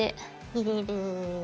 入れる。